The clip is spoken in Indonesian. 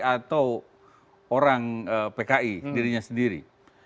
atau orang pki dirinya sendiri